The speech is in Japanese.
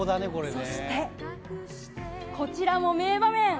そして、こちらも名場面。